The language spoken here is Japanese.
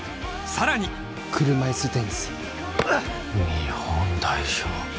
さらに車いすテニス日本代表